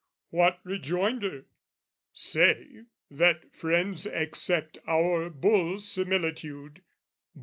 What rejoinder? save That friends accept our bull similitude.